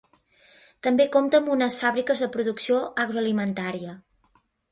També compta amb unes fàbriques de producció agroalimentària.